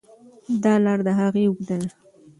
دا لار له هغې اوږده ده.